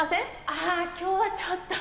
ああ今日はちょっと。